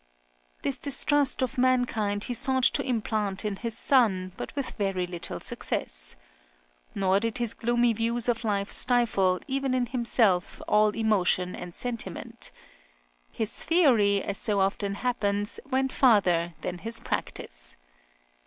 This distrust of mankind he sought to implant in his son, but with very little success. Nor did his gloomy views of life stifle, even in himself, all emotion and sentiment. His theory, as so often happens, went farther than his practice.